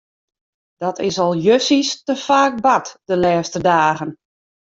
Dat is al justjes te faak bard de lêste dagen.